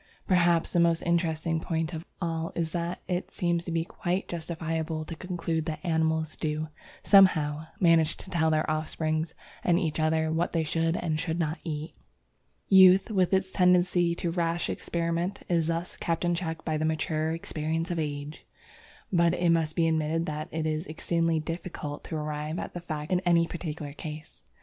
Perhaps the most interesting point of all is that it seems to be quite justifiable to conclude that animals do, somehow, manage to tell their offspring and each other what they should and should not eat. Youth, with its tendency to rash experiment, is thus kept in check by the mature experience of age. But it must be admitted that it is exceedingly difficult to arrive at the facts in any particular case.